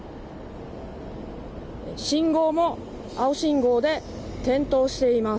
信号も青信号で点灯しています。